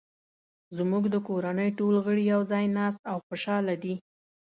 زموږ د کورنۍ ټول غړي یو ځای ناست او خوشحاله دي